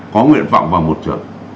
có nguyện vọng vào một trường